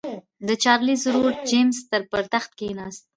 د چارلېز ورور جېمز پر تخت کېناست.